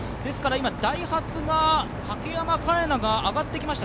ダイハツが竹山楓菜が上がってきました。